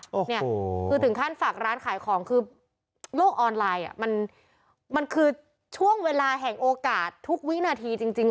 โอ้โหเนี่ยคือถึงขั้นฝากร้านขายของคือโลกออนไลน์อ่ะมันมันคือช่วงเวลาแห่งโอกาสทุกวินาทีจริง